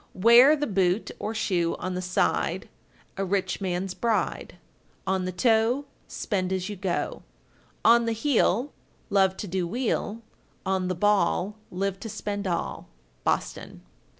_ 1397. Wear the boot (or shoe) on the side, a rich man's bride; On the toe, spend as you go; On the heel, love to do weel; On the ball, live to spend all. _Boston.